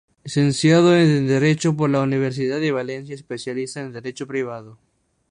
Licenciado en Derecho por la Universidad de Valencia, especialista en derecho privado.